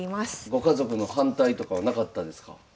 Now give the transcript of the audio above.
ご家族の反対とかはなかったですか？